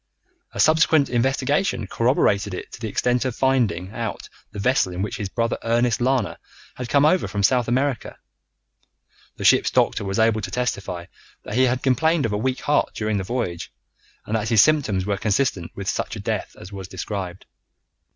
A subsequent investigation corroborated it to the extent of finding out the vessel in which his brother Ernest Lana had come over from South America. The ship's doctor was able to testify that he had complained of a weak heart during the voyage, and that his symptoms were consistent with such a death as was described.